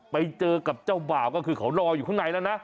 ไปเจอกับเจ้าบ่าวก็คือเขารออยู่ข้างในแล้วนะ